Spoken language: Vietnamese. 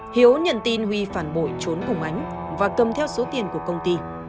hiếu nhận tin huy phản bội trốn cùng ánh và cầm theo số tiền của công ty